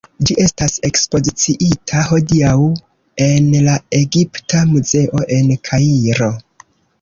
Ĝi estas ekspoziciita hodiaŭ en la Egipta Muzeo en Kairo.